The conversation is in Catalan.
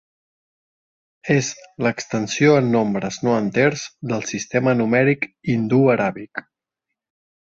És l"extensió en nombres no enters del sistema numèric hindú-aràbic.